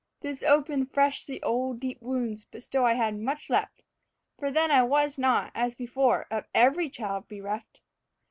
This opened fresh the old deep wounds; but still I had much left, For then I was not, as before, of every child bereft.